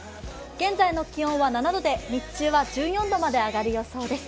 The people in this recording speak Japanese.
現在の気温は７度で日中は１４度まで上がる予想です。